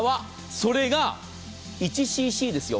それが１ｃｃですよ。